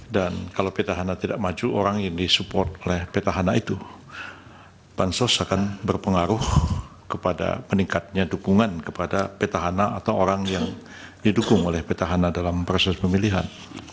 dan kalau petahana tidak maju orang yang disupport oleh petahana itu bansos akan berpengaruh kepada meningkatnya dukungan kepada petahana atau orang yang didukung oleh petahana dalam proses pemilihan